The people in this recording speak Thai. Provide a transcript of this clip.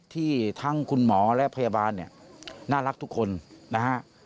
ที่ทั้งคุณหมอและพยาบาลเนี่ยน่ารักทุกคนนะฮะ